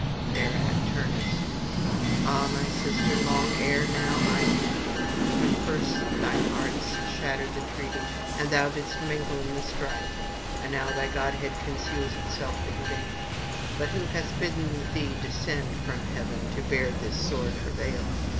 Thereat Turnus: ... 'Ah my sister, long ere now I knew thee, when first thine arts shattered the treaty, and thou didst mingle in the strife; and now thy godhead conceals itself in vain. But who hath bidden thee descend from heaven to bear this sore travail?